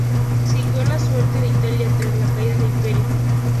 Siguió la suerte de Italia tras la caída del Imperio.